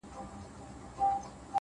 هر منزل د نوې پوهې سرچینه وي!.